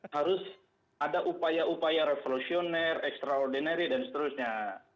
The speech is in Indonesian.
harus ada upaya upaya revolusioner extraordinary dan seterusnya